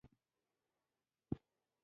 له دې وړاندي مې ښه ډېر شراب او ډوډۍ خوړلي وو.